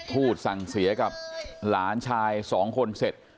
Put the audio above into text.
พูดสั่งเสียกับหลานชายสองคนเสร็จ